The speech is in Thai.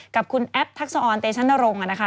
กับคุณแอปทักษออนเตชั่นนรงค์